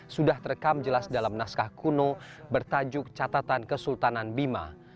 sudah terekam jelas dalam naskah kuno bertajuk catatan kesultanan bima